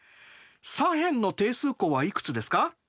左辺の定数項はいくつですか？